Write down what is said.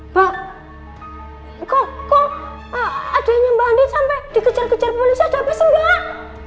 mbak kok kok adanya mbak handin sampai dikejar kejar polisi ada apa sih mbak